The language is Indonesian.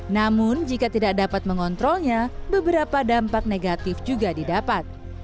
namun jika tidak dapat mengontrolnya beberapa dampak negatif juga didapat